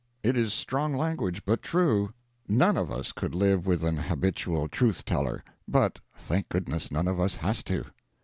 It is strong language, but true. None of us could live with an habitual truth teller; but, thank goodness, none of us has to.